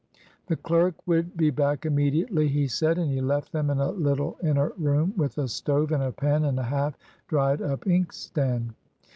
"The clerk would be back immediately," he said, and he left them in a little inner room with a stove and a pen and a half dried up inkstand.